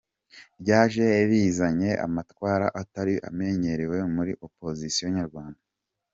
Ryaje rizanye amatwara atari amenyerewe muri Opozisiyo nyarwanda.